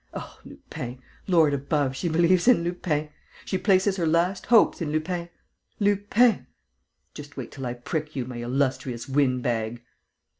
Oh! Lupin! Lord above, she believes in Lupin! She places her last hopes in Lupin! Lupin! Just wait till I prick you, my illustrious windbag!"